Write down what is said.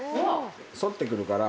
・反ってくるから。